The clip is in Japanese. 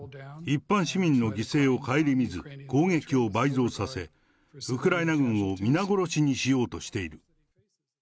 一般市民の犠牲を顧みず、攻撃を倍増させ、ウクライナ軍を皆殺しにしようとしている。